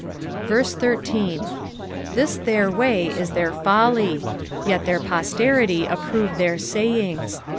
13 This their way is their folly : yet their posterity approve their sayings.